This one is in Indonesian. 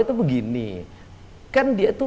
itu begini kan dia itu